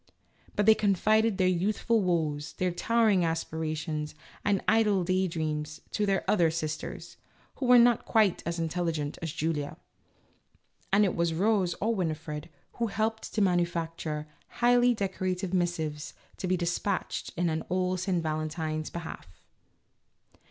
But they confided their youthful woes, their towering aspirations, and idle day dreams to their other sisters, who were not quite as intelligent as Julia, and it was Rose or Wini fred who helped to manufacture highly decorative missives to be dispatched in old St. Valentine's behalf.